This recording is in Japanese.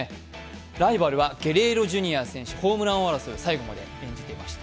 ライバルはゲレーロ・ジュニア選手ホームラン王争いを最後まで演じていました。